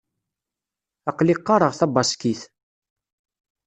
Aql-i qqareɣ tabaṣkit.